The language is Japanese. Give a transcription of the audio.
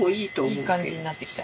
いい感じになってきた。